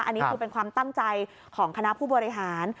อันนี้คือเป็นความตั้งใจของคณะผู้บริหาร